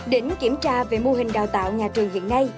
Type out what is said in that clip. đỉnh kiểm tra về mô hình đào tạo nhà trường hiện nay